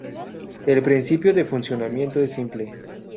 El principio de funcionamiento es simple.